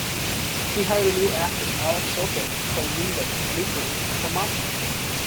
He hired a new actor, Alex Soto, to play "Minga"'s new friend, "Tomasa".